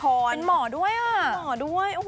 เป็นหมอด้วย